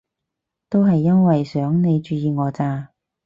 都係因為想你注意我咋